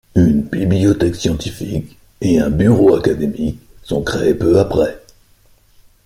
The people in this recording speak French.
Une bibliothèque scientifique et un bureau académique sont créés peu après.